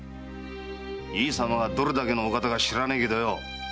井伊様がどれだけのお方か知らねえけどよ